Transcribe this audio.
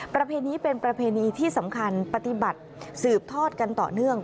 ประเพณีนี้เป็นประเพณีที่สำคัญปฏิบัติสืบทอดกันต่อเนื่อง